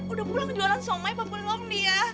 udah pulang jualan somai bapak belom dia